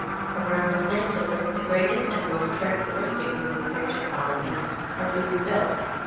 Around Los Angeles the greatest and most characteristic moving picture colonies are being built.